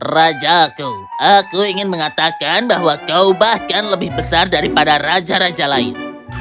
rajaku aku ingin mengatakan bahwa kau bahkan lebih besar daripada raja raja lain